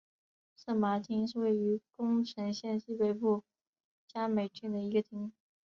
色麻町是位于宫城县西北部加美郡的一町。